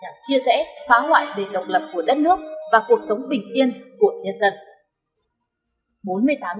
nhằm chia rẽ phá hoại vì độc lập của đất nước và cuộc sống bình yên của nhân dân